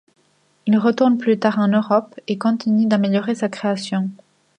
Il retourne plus tard en Europe et continue d'améliorer sa création.